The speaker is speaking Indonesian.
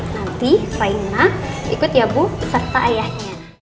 nanti raina ikut ya bu serta ayahnya